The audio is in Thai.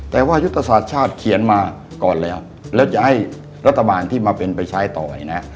แต่ว่ายุทธศาสตร์ชาติเขียนมาก่อนแล้วแล้วจะให้รัฐบาลที่มาเป็นไปใช้ต่อเนี่ยนะ